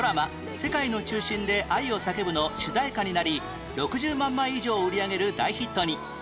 『世界の中心で、愛をさけぶ』の主題歌になり６０万枚以上を売り上げる大ヒットに